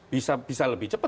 bisa bisa lebih cepat